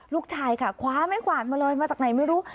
ลูกชายค่ะคว้าไม้ขวานมาเลยมาจากไหนไม่รู้